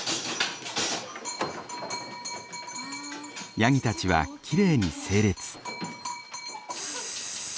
ヤギたちはきれいに整列。